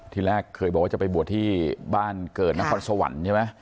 ทีแรกเคยบอกว่าจะไปบวชที่บ้านเกิดนครสวรรค์ใช่ไหม